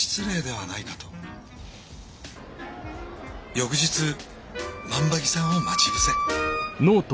翌日万場木さんを待ち伏せ。